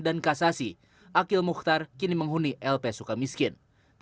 dan kasasi akhil mukhtar kini menghuni lp suka miskin